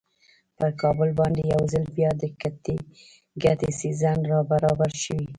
پر کابل باندې یو ځل بیا د ګټې سیزن را برابر شوی.